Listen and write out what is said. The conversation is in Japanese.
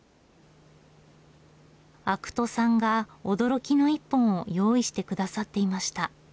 肥土さんが驚きの一本を用意して下さっていました。